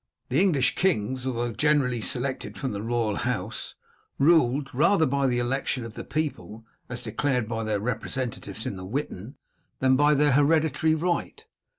The English kings, although generally selected from the royal house, ruled rather by the election of the people as declared by their representatives in the Witan than by their hereditary right.